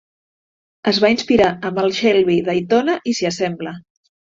Es va inspirar amb el Shelby Daytona i s'hi assembla.